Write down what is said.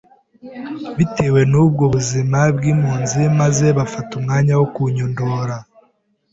bitewe nubwo buzima bw’ impunzi maze bafata umwanya wo kunyondora.